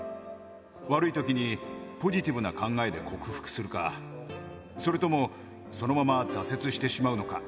悪いときにポジティブな考えで克服するか、それともそのまま挫折してしまうのか。